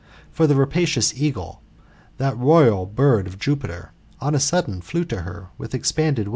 For the rapacious eagle, that royal bird of Jupiter, on a sudden flew to her with expanded